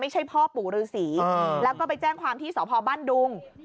ไม่ใช่พ่อปู่ฤษีแล้วก็ไปแจ้งความที่สอบพ่อบั้นดุง